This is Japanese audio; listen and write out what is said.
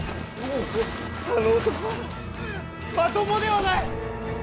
あの男はまともではない！